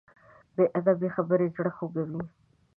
بې ادبه خبرې زړه خوږوي.